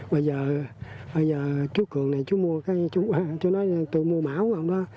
bây giờ bây giờ chú cường này chú mua cái chú nói tôi mua máu của ông đó